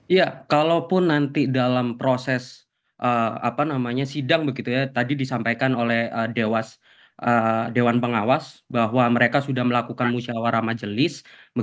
ya kalaupun nanti dalam proses sidang begitu ya tadi disampaikan oleh dewan pengawas bahwa mereka sudah melakukan musyawarah majelis